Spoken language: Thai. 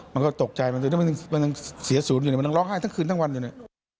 มันก็ตกใจมันยังเสียศูนย์อยู่เนี่ยมันยังร้องไห้ทั้งคืนทั้งวันอยู่เนี่ย